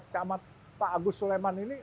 camat pak agus suleman ini